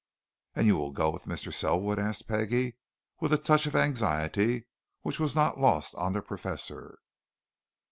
"And you will go with Mr. Selwood?" asked Peggie, with a touch of anxiety which was not lost on the Professor.